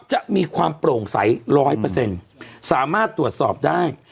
จะมีความโปร่งใสร้อยเปอร์เซ็นต์สามารถตรวจสอบได้